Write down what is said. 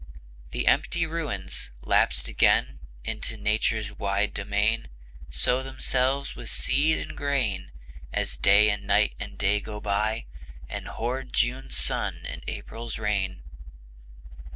The empty ruins, lapsed again Into Nature's wide domain, Sow themselves with seed and grain As Day and Night and Day go by; And hoard June's sun and April's rain.